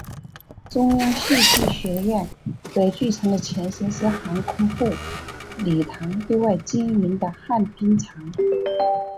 中央戏剧学院北剧场的前身是航空部礼堂对外经营的旱冰场。